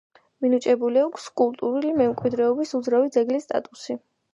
მინიჭებული აქვს კულტურული მემკვიდრეობის უძრავი ძეგლის სტატუსი.